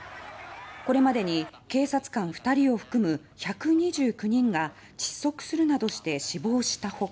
これまでに警察官２人を含む１２９人が窒息するなどして死亡した他